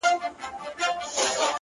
ميئن د كلي پر انجونو يمه ـ